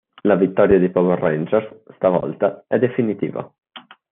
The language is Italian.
La vittoria dei Power Rangers, stavolta, è definitiva.